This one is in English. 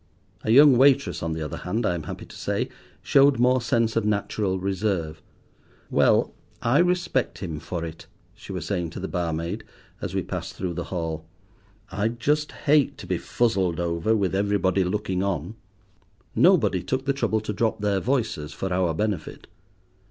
A young waitress, on the other hand, I am happy to say, showed more sense of natural reserve. "Well, I respect him for it," she was saying to the barmaid, as we passed through the hall; "I'd just hate to be fuzzled over with everybody looking on." Nobody took the trouble to drop their voices for our benefit.